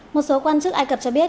một số quan chức ai cập cho biết